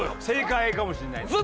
正解かもしれない。